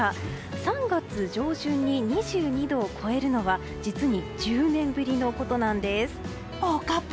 ３月上旬に２２度を超えるのは実に１０年ぶりのことなんです。